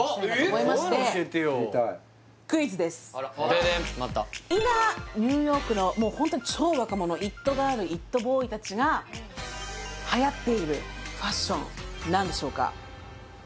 デデンまた今ニューヨークのもうホントに超若者イットガールイットボーイ達がはやっているファッション何でしょうか？